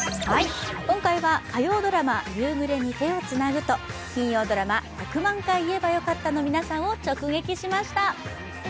今回は火曜ドラマ「夕暮れに、手をつなぐ」と金曜ドラマ「１００万回言えばよかった」の皆さんを直撃しました。